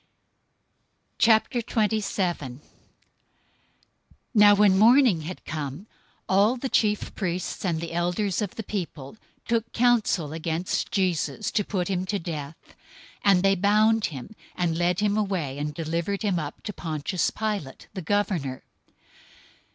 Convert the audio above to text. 027:001 Now when morning had come, all the chief priests and the elders of the people took counsel against Jesus to put him to death: 027:002 and they bound him, and led him away, and delivered him up to Pontius Pilate, the governor.